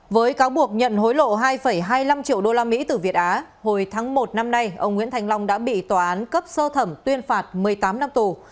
với cáo buộc nhận hối lộ hai hai mươi năm triệu usd từ việt á hồi tháng một năm nay ông nguyễn thành long đã bị tòa án cấp sơ thẩm tuyên phạt một mươi tám năm tù